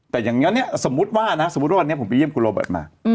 แต่อย่างนั้นเนี่ยสมมุติว่านะสมมุติว่าวันนี้ผมไปเยี่ยมคุณโรเบิร์ตมา